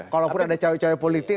kalaupun ada cewek cewek politik